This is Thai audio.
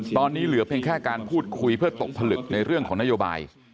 ตอนนี้เหลือเพียงแค่การพูดคุยเพื่อตกผลึกในเรื่องของนโยบาย